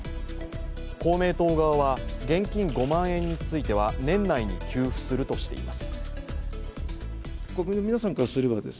公明党側は現金５万円については年内に給付するとしています。